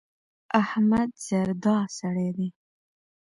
احمد زردا سړی دی.